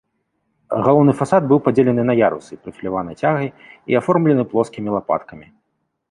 Галоўны фасад быў падзелены на ярусы прафіляванай цягай і аформлены плоскімі лапаткамі.